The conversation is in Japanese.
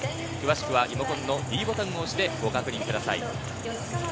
詳しくはリモコンのｄボタンを押してご確認ください。